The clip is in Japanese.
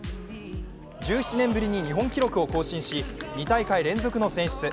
１７年ぶりに日本記録を更新し、２大会連続の選出。